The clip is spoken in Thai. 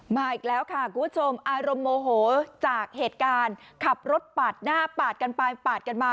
มาอีกแล้วค่ะคุณผู้ชมอารมณ์โมโหจากเหตุการณ์ขับรถปาดหน้าปาดกันไปปาดกันมา